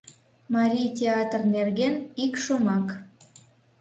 МАРИЙ ТЕАТР НЕРГЕН ИК ШОМАК